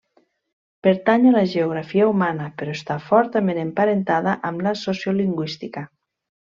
Pertany a la geografia humana però està fortament emparentada amb la sociolingüística.